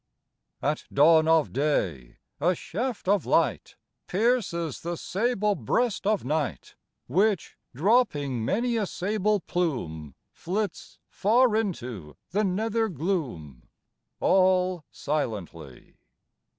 At dawn of day a shaft of light Pierces the sable breast of night, Which, dropping many a sable plume, Flits far into the nether gloom, All silently.